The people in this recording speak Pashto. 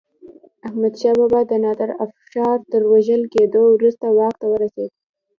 احمدشاه بابا د نادر افشار تر وژل کېدو وروسته واک ته ورسيد.